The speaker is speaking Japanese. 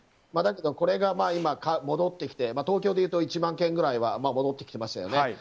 だけど、これが今、戻ってきて東京でいうと１万件くらいに戻ってきましたよね。